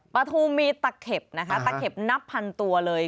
ปูมีตะเข็บนะคะตะเข็บนับพันตัวเลย